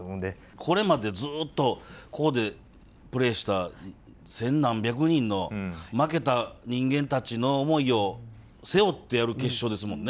これまでずうっとここでプレーした千何百人の負けた人間たちの思いを背負ってやる決勝ですもんね。